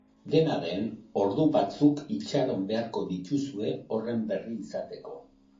Dena den, ordu batzuk itxaron beharko dituzue horren berri izateko.